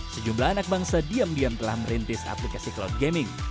sejumlah anak bangsa diam diam telah merintis aplikasi cloud gaming